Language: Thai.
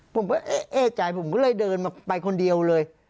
ผมก็เอ๊ะใจผมก็เลยเดินมาไปคนเดียวเลย